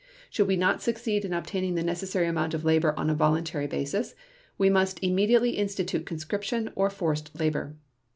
Should we not succeed in obtaining the necessary amount of labor on a voluntary basis, we must immediately institute conscription or forced labor.